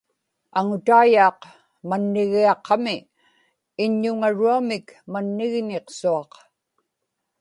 aŋutaiyaaq mannigiaqami iññuŋaruamik mannigñiqsuaq